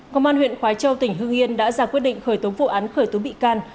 công an huyện khói châu tỉnh hương yên đã ra quyết định khởi tố vụ án khởi tố bị can